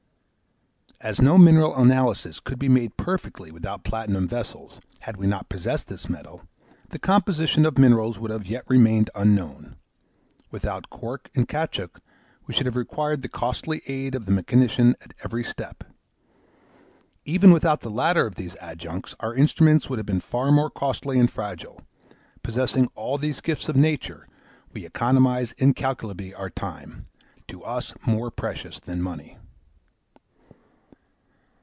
As no mineral analysis could be made perfectly without platinum vessels, had we not possessed this metal, the composition of minerals would have yet remained unknown; without cork and caoutchouc we should have required the costly aid of the mechanician at every step. Even without the latter of these adjuncts our instruments would have been far more costly and fragile. Possessing all these gifts of nature, we economise incalculably our time to us more precious than money!